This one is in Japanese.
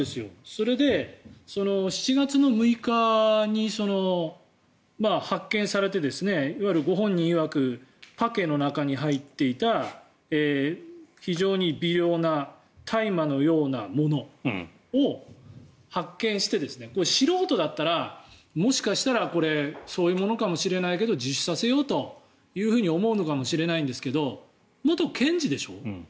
それで、７月６日に発見されていわゆるご本人いわくパケの中に入っていた非常に微量な大麻のようなものを発見してこれ、素人だったらもしかしたらこれ、そういうものかもしれないから自首させようというふうに思うのかもしれないんですけど元検事でしょ？